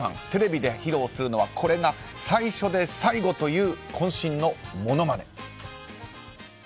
テレビで披露するのはこれが最初で最後という渾身のものまね。